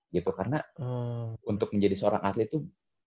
gitu karena untuk menjadi seorang atlet tuh